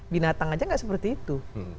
binatang aja nggak seperti itu